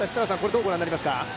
どうご覧になりますか？